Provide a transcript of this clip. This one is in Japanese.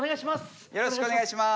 よろしくお願いします。